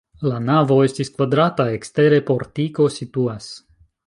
La navo estas kvadrata, ekstere portiko situas.